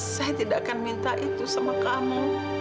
saya tidak akan minta itu sama kamu